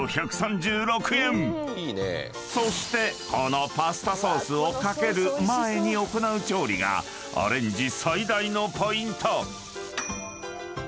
［そしてこのパスタソースを掛ける前に行う調理がアレンジ最大のポイント］